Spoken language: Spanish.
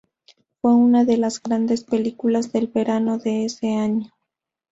Fue una de las grandes películas del verano de ese año.